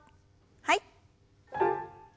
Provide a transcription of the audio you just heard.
はい。